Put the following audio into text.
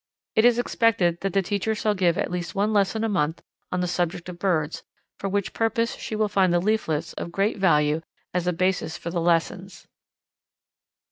It is expected that the teacher shall give at least one lesson a month on the subject of birds, for which purpose she will find the leaflets of great value as a basis for the lessons.